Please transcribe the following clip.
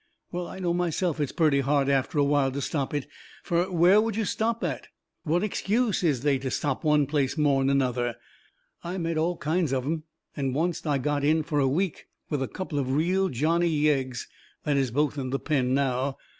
Well, I know myself it's purty hard after while to stop it, fur where would you stop at? What excuse is they to stop one place more'n another? I met all kinds of 'em, and oncet I got in fur a week with a couple of real Johnny Yeggs that is both in the pen now.